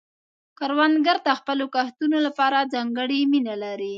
کروندګر د خپلو کښتونو لپاره ځانګړې مینه لري